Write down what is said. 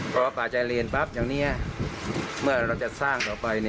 พอป่าใจเรียนปั๊บอย่างนี้เมื่อเราจะสร้างต่อไป